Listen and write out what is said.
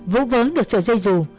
vũ vớn được sợi dây dù